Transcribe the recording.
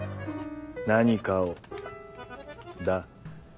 何かをだ。